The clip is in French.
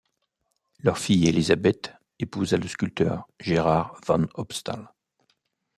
Leur fille Elizabeth épousa le sculpteur Gérard van Opstal.